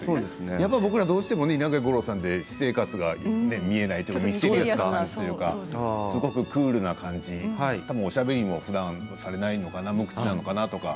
僕らとしても稲垣吾郎さんって私生活が見えないというかミステリアスというかすごくクールな感じおしゃべりもふだんされないのかな、無口なのかなとか。